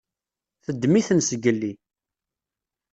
Teddem-iten zgelli.